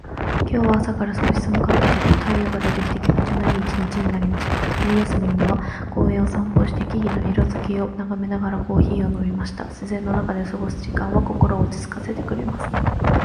今日は朝から少し寒かったけれど、太陽が出てきて気持ちのいい一日になりました。昼休みには公園を散歩して、木々の色づきを眺めながらコーヒーを飲みました。自然の中で過ごす時間は心を落ち着かせてくれます。